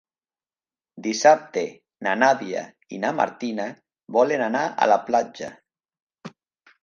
Dissabte na Nàdia i na Martina volen anar a la platja.